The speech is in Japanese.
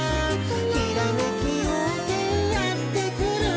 「ひらめきようせいやってくる」